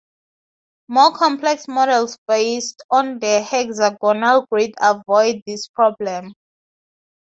More complex models based on the hexagonal grid avoid this problem.